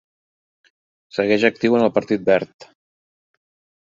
Segueix actiu en el Partit Verd.